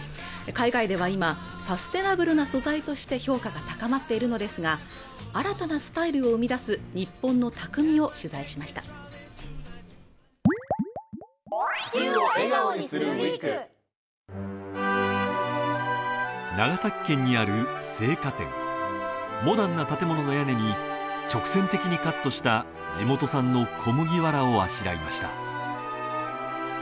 海外では今サステナブルな素材として評価が高まっているのですが新たなスタイルを生み出す日本の匠を取材しました長崎県にある生花店モダンな建物の屋根に直線的にカットした地元産の小麦わらをあしらいました